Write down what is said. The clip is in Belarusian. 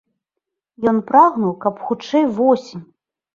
Ён прагнуў, каб хутчэй восень.